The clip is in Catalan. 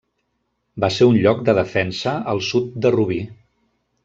Va ser un lloc de defensa al sud de Rubí.